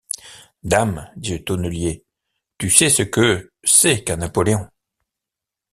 Dame! dit le tonnelier, tu sais ce que c’est qu’un napoléon.